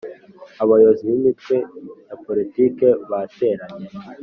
Abayobozi b’Imitwe ya Politiki bateranye